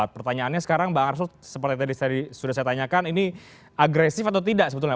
pertanyaannya sekarang bang arsul seperti tadi sudah saya tanyakan ini agresif atau tidak sebetulnya